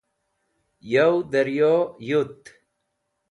yow daryo yut